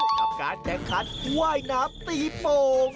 กับการแข่งขันว่ายน้ำตีโป่ง